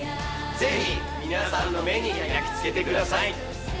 ぜひ皆さんの目に焼き付けてください。